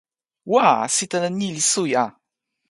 wa! sitelen ni li suwi a!